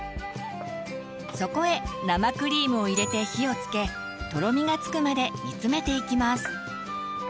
そこへ生クリームを入れて火をつけとろみがつくまで煮つめていきます。